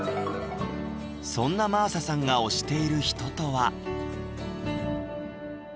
そんな真麻さんが推している人とは？